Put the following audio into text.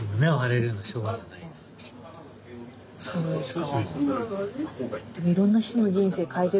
そうですか。